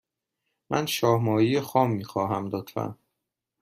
من شاه ماهی خام می خواهم، لطفا.